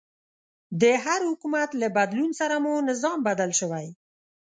د هر حکومت له بدلون سره مو نظام بدل شوی.